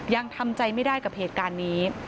ยังทำใจไม่ได้กับเหตุการณ์นี้